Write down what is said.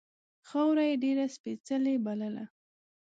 خاوره یې ډېره سپېڅلې بلله.